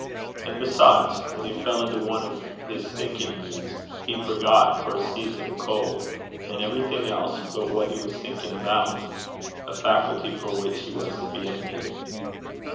And besides, when he fell into one of his thinking moods, he forgot, for a season, cold and everything else but what he was thinking about a faculty for which he was to be envied.